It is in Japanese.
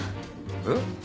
えっ？